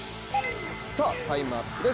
タイムアップです。